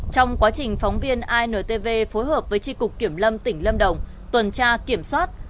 trong quá trình phóng viên intv phối hợp với tri cục kiểm lâm tỉnh lâm đồng tuần tra kiểm soát